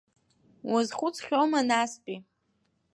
Уазхәыцхьоума настәи?